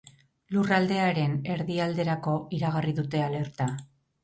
Lurraldearen erdialderako iragarri dute alerta.